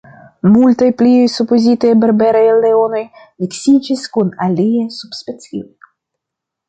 Multaj pliaj supozitaj berberaj leonoj miksiĝis kun aliaj subspecioj.